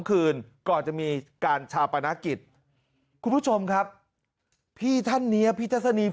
คืนก่อนจะมีการชาปนกิจคุณผู้ชมครับพี่ท่านเนี้ยพี่ทัศนี